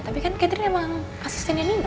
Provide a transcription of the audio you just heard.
tapi kan catherine emang asistennya nino